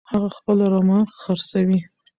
هغه خپله رمه خرڅوي.